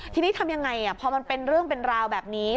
ทีนี้ทำยังไงพอมันเป็นเรื่องเป็นราวแบบนี้